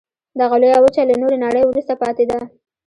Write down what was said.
دغه لویه وچه له نورې نړۍ وروسته پاتې ده.